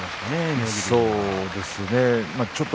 そうですね。